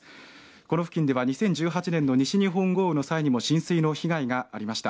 この付近では２０１８年の西日本豪雨の際にも浸水の被害がありました。